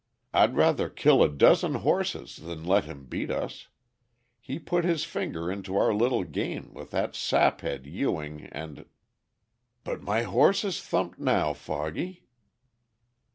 I'd rather kill a dozen horses than let him beat us. He put his finger into our little game with that saphead Ewing, and " "But my horse is thumped now, Foggy."